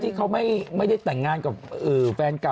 ที่เขาไม่ได้แต่งงานกับแฟนเก่า